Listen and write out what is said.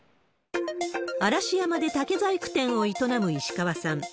嵐山で竹細工店を営む石川さん。